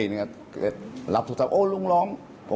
ยืมไปช่วยญาติกันเด็ดร้อน